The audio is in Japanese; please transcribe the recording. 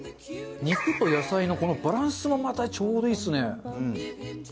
肉と野菜のバランスもまたちょうどいいですね。